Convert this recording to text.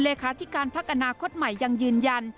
เลขาธิการพักอนาคตใหม่ยังยืนยัน